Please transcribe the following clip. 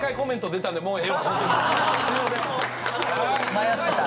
迷ってた。